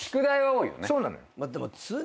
そうなのよ。